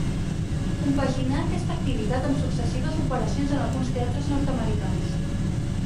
Compaginà aquesta activitat amb successives operacions en alguns teatres nord-americans.